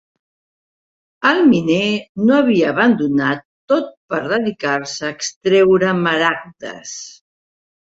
El miner ho havia abandonat tot per dedicar-se a extreure maragdes.